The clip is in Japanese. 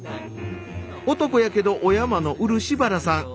男やけど女形の漆原さん。